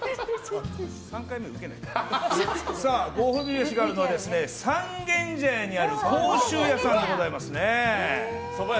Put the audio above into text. ご褒美飯があるのは三軒茶屋にある甲州屋さんでございます。